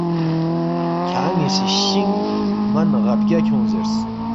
”کھیان٘ی سی شِنگ من غا بگیا کھیونگ“ زیرس